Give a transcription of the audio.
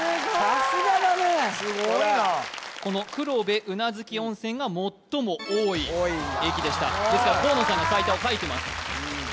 さすがだねすごいなこの黒部宇奈月温泉が最も多い駅でしたですから河野さんが最多を書いてます